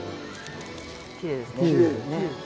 きれいですね。